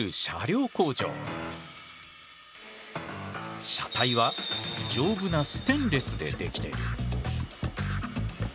車体は丈夫なステンレスで出来ている。